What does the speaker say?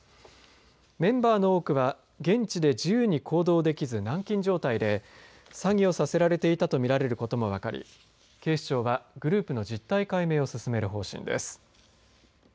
メンバーの多くは現地で自由に行動できず軟禁状態で詐欺をさせられていたと見られることも分かり警視庁はグループの実態解明を進める方針です。